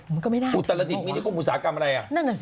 มันก็ไม่น่าถึงเหรอวะนั่นสิมีเหรอใช่ไหมล่ะอุตสาหกรรมอะไร